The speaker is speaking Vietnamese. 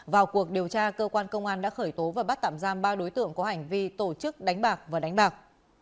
vào cuộc điều tra cơ quan công an đã khởi tố và bắt tạm giam ba đối tượng có hành vi tổ chức đánh bạc và đánh bạc